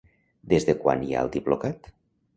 Des de quan hi ha el Diplocat?